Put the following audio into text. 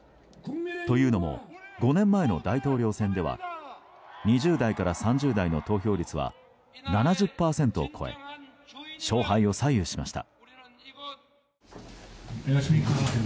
というのも５年前の大統領選では２０代から３０代の投票率は７０％を超え勝敗を左右しました。